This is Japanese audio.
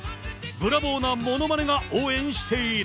ブラボーなものまねが応援している。